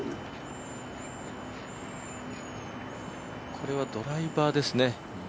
これはドライバーですね。